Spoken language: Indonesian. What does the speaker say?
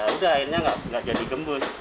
ya udah akhirnya nggak jadi gembus